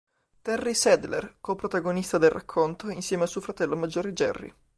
Terry Sadler: co-protagonista del racconto insieme a suo fratello maggiore Jerry.